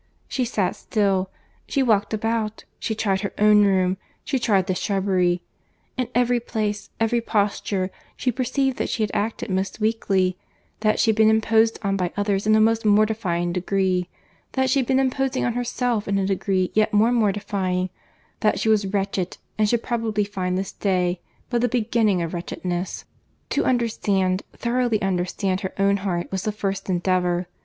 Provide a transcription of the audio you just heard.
—she sat still, she walked about, she tried her own room, she tried the shrubbery—in every place, every posture, she perceived that she had acted most weakly; that she had been imposed on by others in a most mortifying degree; that she had been imposing on herself in a degree yet more mortifying; that she was wretched, and should probably find this day but the beginning of wretchedness. To understand, thoroughly understand her own heart, was the first endeavour.